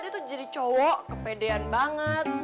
dia tuh jadi cowok kepedean banget